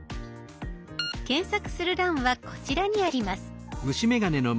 検索する欄はこちらにあります。